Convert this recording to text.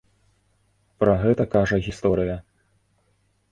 Пра гэта кажа гісторыя.